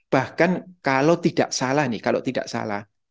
bahkan kalau tidak salah nih